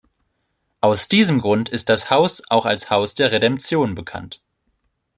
Aus diesem Grund ist das Haus auch als Haus der Redemption bekannt.